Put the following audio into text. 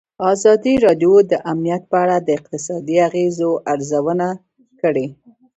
ازادي راډیو د امنیت په اړه د اقتصادي اغېزو ارزونه کړې.